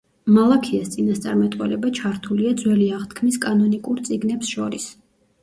მალაქიას წინასწარმეტყველება ჩართულია ძველი აღთქმის კანონიკურ წიგნებს შორის.